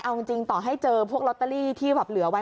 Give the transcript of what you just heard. เอาจริงต่อให้เจอพวกลอตเตอรี่ที่แบบเหลือไว้